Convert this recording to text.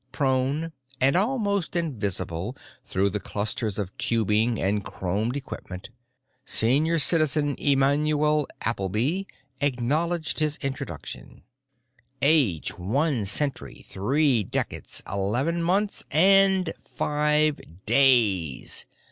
Prone and almost invisible through the clusters of tubing and chromed equipment, Senior Citizen Immanuel Appleby acknowledged his introduction—"Age one century, three decades, eleven months and five days!"